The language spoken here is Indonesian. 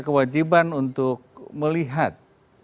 kewajiban untuk melihat